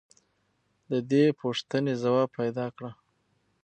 د دې پوښتنې ځواب پیدا کړه.